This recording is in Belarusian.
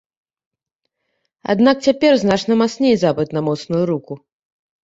Аднак цяпер значна мацней запыт на моцную руку.